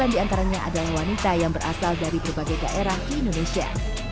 sembilan diantaranya adalah wanita yang berasal dari berbagai daerah di indonesia